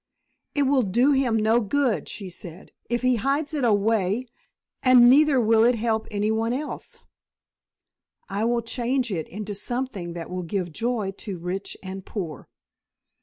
"It will do him no good," she said, "if he hides it away, and neither will it help anybody else. I will change it into something that will give joy to rich and poor."